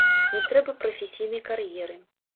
Не трэба прафесійнай кар'еры.